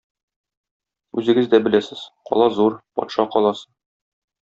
Үзегез дә беләсез, кала зур, патша каласы.